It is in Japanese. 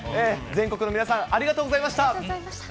全国の皆さん、ありがとうございました。